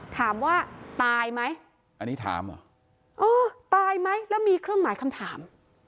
ถามว่าตายไหมตายไหมแล้วมีเครื่องหมายคำถาม